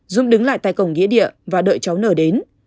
dũng đứng lại tại cổng nghĩa địa và đợi cháu nờ đến